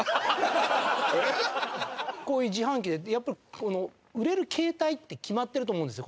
こういう自販機でやっぱり売れる形態って決まってると思うんですよ。